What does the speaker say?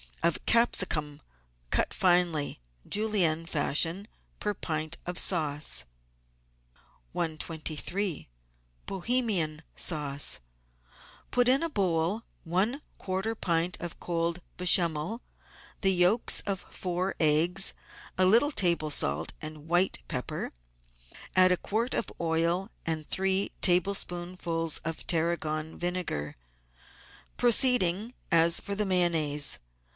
of capsicum cut finely. Julienne fashion, per pint of sauce. 123— BOHEMIAN SAUCE Put in a bowl one quarter pint of cold Bechamel, the yolks of four eggs, a little table salt and white pepper. Add a quart of oil and three tablespoonfuls of tarragon vinegar, proceeding as for the Mayonnaise.